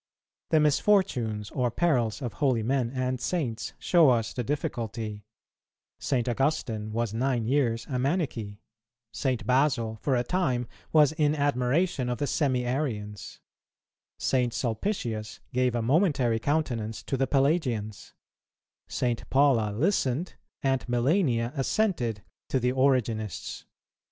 The misfortunes or perils of holy men and saints show us the difficulty; St. Augustine was nine years a Manichee; St. Basil for a time was in admiration of the Semi arians; St. Sulpicius gave a momentary countenance to the Pelagians; St. Paula listened, and Melania assented, to the Origenists.